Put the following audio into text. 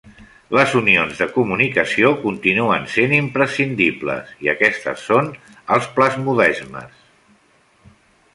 Les unions de comunicació continuen sent imprescindibles; i aquestes són els plasmodesmes.